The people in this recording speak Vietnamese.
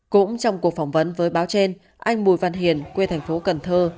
cũng trong cuộc phỏng vấn với báo trên anh bùi văn hiền quê thành phố cần thơ